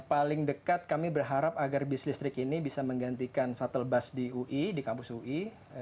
paling dekat kami berharap agar bis listrik ini bisa menggantikan shuttle bus di ui di kampus ui